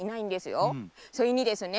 それにですね